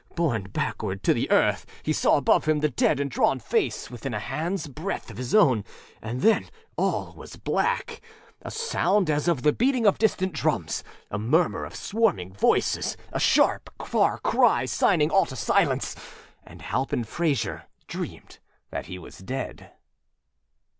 Borne backward to the earth, he saw above him the dead and drawn face within a handâs breadth of his own, and then all was black. A sound as of the beating of distant drumsâa murmur of swarming voices, a sharp, far cry signing all to silence, and Halpin Frayser dreamed that he was dead.